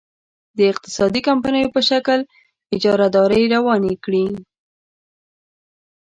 د اقتصادي کمپنیو په شکل اجارادارۍ روانې کړي.